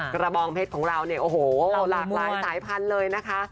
กระบองเพชรของเราเนี่ยโอ้โหหลากหลายสายพันธุ์เลยนะคะ